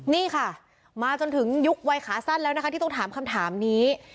นี่ค่ะมาจนถึงยุควัยขาสั้นแล้วนะคะที่ต้องถามคำถามนี้